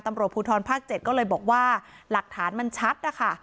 ตำรวจภูทรภาค๗ก็เลยบอกว่าหลักฐานมันชัดนะคะ